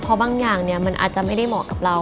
เพราะบางอย่างเนี่ยมันอาจจะไม่ได้เหมาะกับเรา